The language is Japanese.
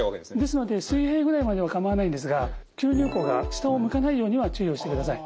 ですので水平ぐらいまでは構わないんですが吸入口が下を向かないようには注意をしてください。